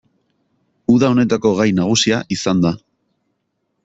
Uda honetako gai nagusia izan da.